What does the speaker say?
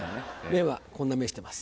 目はこんな目してます。